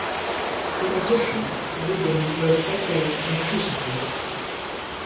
In addition, Lubin wrote essays and treatises.